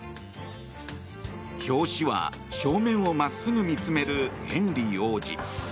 表紙は、正面を真っすぐ見つめるヘンリー王子。